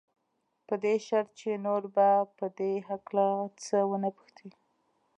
په دې شرط چې نور به په دې هکله څه نه پوښتې.